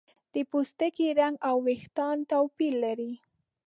د پوستکي رنګ او ویښتان توپیر لري.